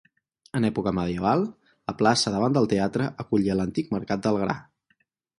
En època medieval, la plaça davant del teatre acollia l'antic mercat del gra.